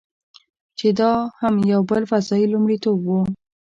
چې دا هم یو بل فضايي لومړیتوب و.